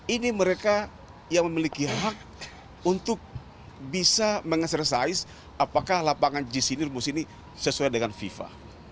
ini mereka yang memiliki hak untuk bisa mengesersaiz apakah lapangan jis ini rumus ini sesuai dengan fifa